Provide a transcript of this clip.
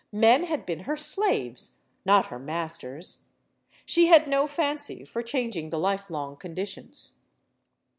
Men had been her slaves, not her masters. She had no fancy for changing the lifelong conditions.